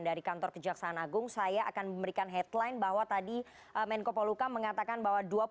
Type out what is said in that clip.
dari kantor kejaksaan agung saya akan memberikan headline bahwa tadi menko poluka mengatakan bahwa